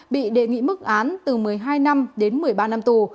bị đề nghị mức án từ một mươi hai năm đến một mươi ba năm tù